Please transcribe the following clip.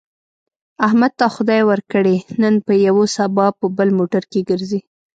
احمد ته خدای ورکړې، نن په یوه سبا په بل موټر کې ګرځي.